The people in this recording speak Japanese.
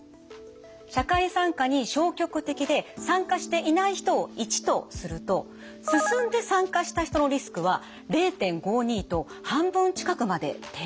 社会参加に消極的で参加していない人を１とするとすすんで参加した人のリスクは０．５２と半分近くまで低下します。